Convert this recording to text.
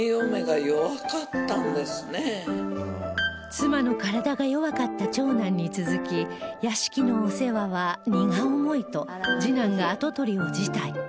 妻の体が弱かった長男に続き屋敷のお世話は荷が重いと次男が跡取りを辞退